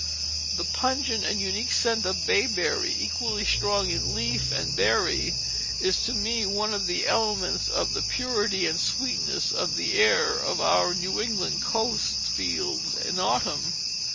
The pungent and unique scent of the bayberry, equally strong in leaf and berry, is to me one of the elements of the purity and sweetness of the air of our New England coast fields in autumn.